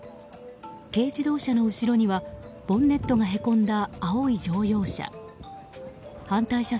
軽自動車の後ろにはボンネットがへこんだ青い乗用車。